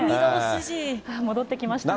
戻ってきましたね。